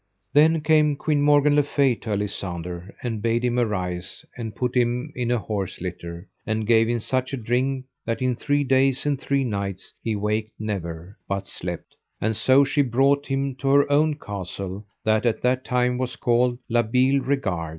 Then came Queen Morgan le Fay to Alisander, and bade him arise, and put him in an horse litter, and gave him such a drink that in three days and three nights he waked never, but slept; and so she brought him to her own castle that at that time was called La Beale Regard.